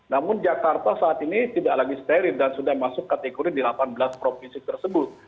namun jakarta saat ini tidak lagi steril dan sudah masuk kategori di delapan belas provinsi tersebut